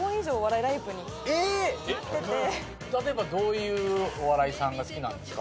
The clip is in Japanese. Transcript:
例えばどういうお笑いさんが好きなんですか？